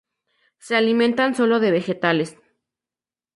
Se alimentan solo de vegetales.